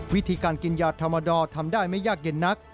วิธีการกินยาธรรมดอทำได้ไม่ยากเย็นนัก